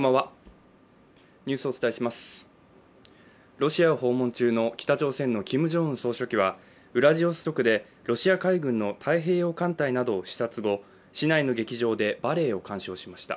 ロシアを訪問中の北朝鮮のキム・ジョンウン総書記はウラジオストクでロシア海軍の太平洋艦隊などを視察後市内の劇場でバレエを鑑賞しました。